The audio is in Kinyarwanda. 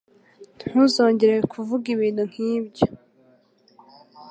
Ntuzongere kuvuga ibintu nkibyo.